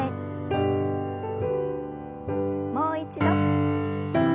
もう一度。